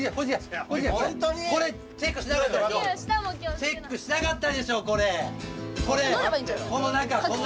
チェックしなかったでしょ、これ、この中。